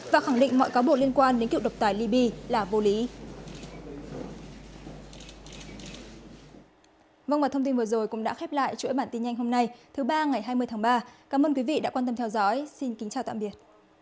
và khẳng định mọi cáo buộc liên quan đến cựu độc tài libby là vô lý